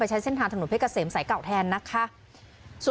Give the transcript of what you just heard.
ใช้เส้นทางถนนเพชรเกษมสายเก่าแทนนะคะ